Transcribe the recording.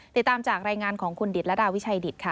ติดตามจากรายงานของคุณดิตรดาวิชัยดิตค่ะ